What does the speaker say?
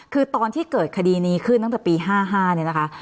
คือตอนที่เกิดคดีนี้ขึ้นตั้งแต่ปี๕๕เนี่ยนะคะ